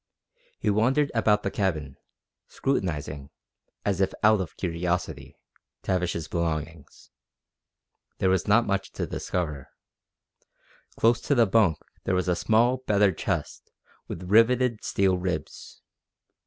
He wandered about the cabin, scrutinizing, as if out of curiosity, Tavish's belongings. There was not much to discover. Close to the bunk there was a small battered chest with riveted steel ribs.